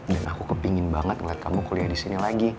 dan aku kepingin banget ngeliat kamu kuliah di sini lagi